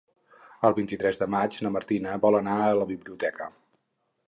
El vint-i-tres de maig na Martina vol anar a la biblioteca.